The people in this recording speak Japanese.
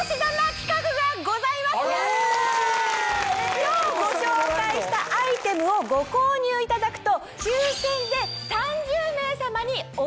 今日ご紹介したアイテムをご購入いただくと。